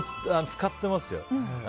使ってますよ。